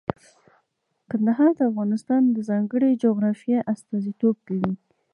کندهار د افغانستان د ځانګړي جغرافیه استازیتوب کوي.